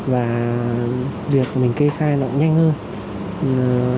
và việc mình kê khai nó nhanh hơn